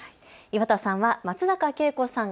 岩田さんは松坂慶子さん